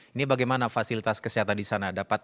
ini bagaimana fasilitas kesehatan di sana